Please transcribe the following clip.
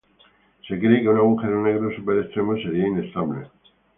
Se cree que un agujero negro super extremo sería inestable.